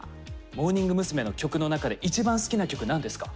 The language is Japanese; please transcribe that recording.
モーニング娘。の曲の中で一番好きな曲何ですか？